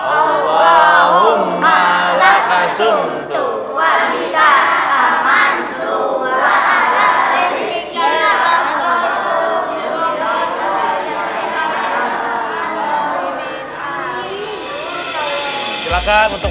allahumma lakasuntuk wa liqa amantuh